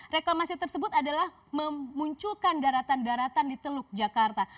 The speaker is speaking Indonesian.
reklamasi tersebut adalah memunculkan daratan daratan di teluk jakarta